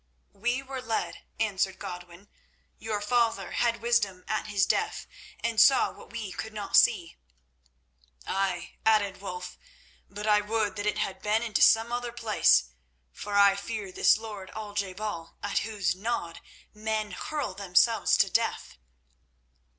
"We were led," answered Godwin. "Your father had wisdom at his death, and saw what we could not see." "Ay," added Wulf, "but I would that it had been into some other place, for I fear this lord Al je bal at whose nod men hurl themselves to death."